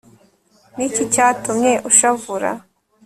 ni iki cyatumye ushavura